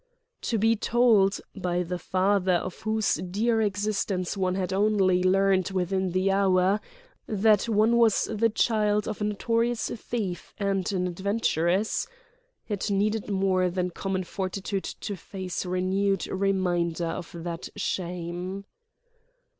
To be told, by the father of whose dear existence one had only learned within the hour, that one was the child of a notorious thief and an adventuress ... It needed more than common fortitude to face renewed reminder of that shame.